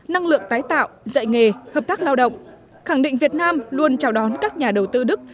năng lượng tái tạo dạy nghề hợp tác lao động khẳng định việt nam luôn chào đón các nhà đầu tư đức